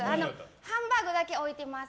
ハンバーグだけ置いてます。